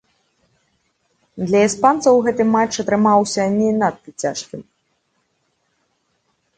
Для іспанцаў гэты матч атрымаўся не надта цяжкім.